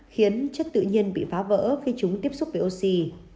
khiến chất tự nhiên bị phá vỡ khi chúng tiếp xúc với oxy